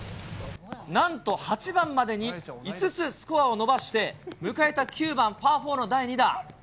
なんと８番までに５つスコアを伸ばして、迎えた９番パー４の第２打。